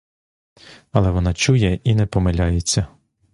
Але вона чує і не помиляється.